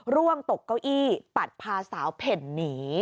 ร่วงตกเก้าอี้ปัดพาสาวเผ่นหนี